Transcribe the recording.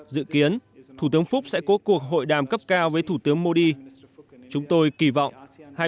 hai nghìn một mươi tám dự kiến thủ tướng phúc sẽ cố cuộc hội đàm cấp cao với thủ tướng modi chúng tôi kỳ vọng hai